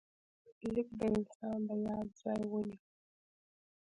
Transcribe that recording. لیک د انسان د یاد ځای ونیو.